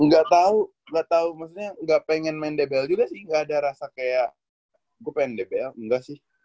gak tau gak tau maksudnya gak pingin main dbl juga sih gak ada rasa kayak gue pengen dbl gak sih